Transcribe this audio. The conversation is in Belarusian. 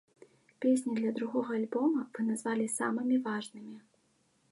Песні для другога альбома вы назвалі самымі важнымі.